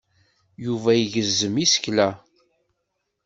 Yuba igezzem isekla.